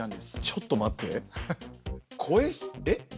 ちょっと待って。